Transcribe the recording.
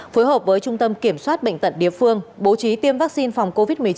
phối hợp với trung tâm kiểm soát bệnh tận địa phương bố trí tiêm vaccine phòng covid một mươi chín